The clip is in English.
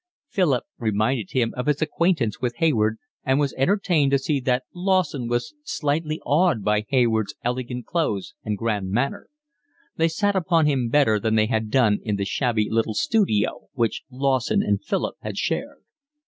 Philip reminded him of his acquaintance with Hayward, and was entertained to see that Lawson was slightly awed by Hayward's elegant clothes and grand manner. They sat upon him better than they had done in the shabby little studio which Lawson and Philip had shared.